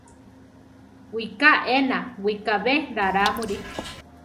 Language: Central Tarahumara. Wiká éena, wikábe rarámuri.